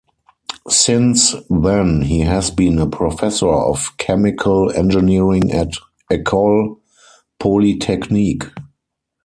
Since then, he has been a professor of chemical engineering at Ecole Polytechnique.